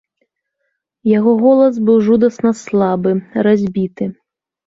Яго голас быў жудасна слабы, разбіты.